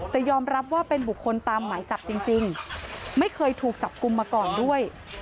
แต่ยอมรับว่าเป็นบุคคลตามหมายจับจริงไม่เคยถูกจับกลุ่มมาก่อนด้วย